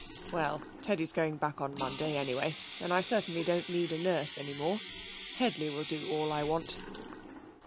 'Well, Teddy's going back on Monday anyway, and I certainly don't need a nurse any more. Headley will do all I want.'